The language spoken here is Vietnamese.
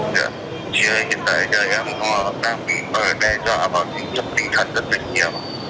dạ chưa hiện tại đời em họ đang bị mở đe dọa vào những trận tình thật rất là nhiều